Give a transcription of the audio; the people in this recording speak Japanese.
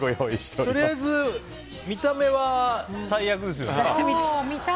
とりあえず見た目は最悪ですよ。